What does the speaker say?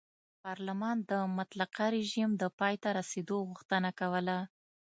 پارلمان د مطلقه رژیم د پای ته رسېدو غوښتنه کوله.